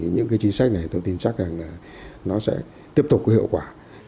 những chính sách này tôi tin chắc rằng là nó sẽ tiếp tục có hiệu quả